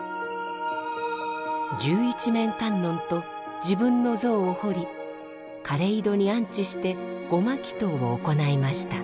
十一面観音と自分の像を彫りかれ井戸に安置して護摩祈祷を行いました。